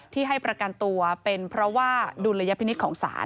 ให้ประกันตัวเป็นเพราะว่าดุลยพินิษฐ์ของศาล